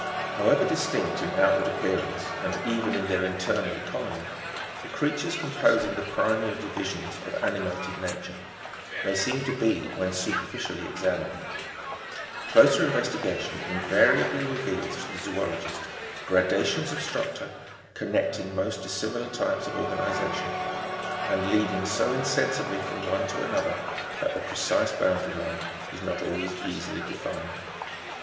"However distinct in outward appearance, and even in their internal economy, the creatures composing the primary divisions of animated nature may seem to be when superficially examined, closer investigation invariably reveals to the zoologist gradations of structure connecting most dissimilar types of organization, and leading so insensibly from one to another, that the precise boundary line is not always easily defined.